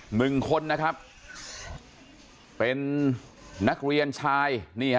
หนึ่งคนนะครับเป็นนักเรียนชายนี่ฮะ